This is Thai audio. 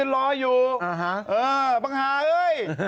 เออปัญหาเลย